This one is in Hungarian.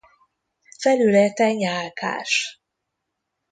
Felülete nyálkás.